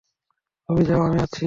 তুমি যাও, আমি আসছি।